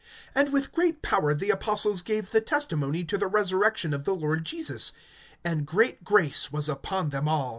(33)And with great power the apostles gave the testimony to the resurrection of the Lord Jesus; and great grace was upon them all.